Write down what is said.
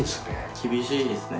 厳しいですね。